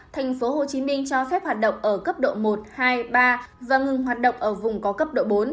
tp hcm cho phép hoạt động ở cấp độ một hai ba và ngừng hoạt động ở vùng có cấp độ bốn